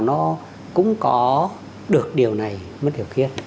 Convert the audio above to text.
nó cũng có được điều này bất cứ điều kia